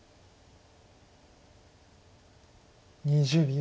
２０秒。